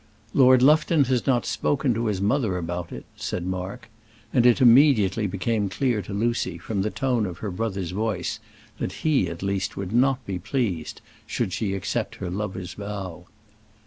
"Lord Lufton has not spoken to his mother about it," said Mark; and it immediately became clear to Lucy, from the tone of her brother's voice, that he, at least, would not be pleased, should she accept her lover's vow.